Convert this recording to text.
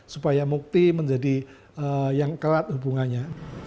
supaya mukti menjadi yang kerat hubungannya